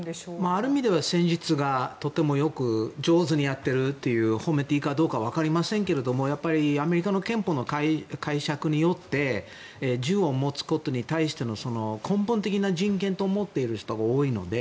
ある意味では、戦術でとても上手にやっていると褒めていいかどうか分かりませんけれどもやっぱりアメリカの憲法の解釈によって銃を持つことに対してを根本的な人権と思っている人が多いので。